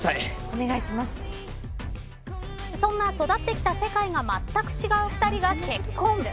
そんな育ってきた世界がまったく違う２人が結婚。